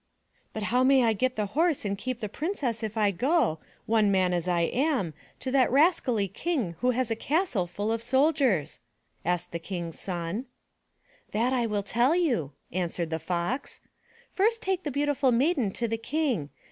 But how may I get the Horse and keep the Princess if I go, one man as I am, to that rascally King who has a castle full of soldiers?" asked the King's son. "That I will tell you," answered the Fox. "First take the beautiful Maiden to the King.